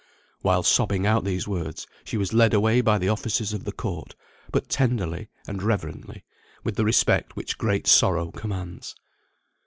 While sobbing out these words she was led away by the officers of the court, but tenderly, and reverently, with the respect which great sorrow commands.